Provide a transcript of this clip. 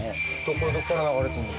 これどっから流れてんの？